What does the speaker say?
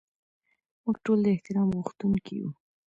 موږ ټول د احترام غوښتونکي یو.